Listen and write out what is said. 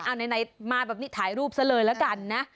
เอาไหนมาแบบนี้ถ่ายรูปซะเลยละกันนะ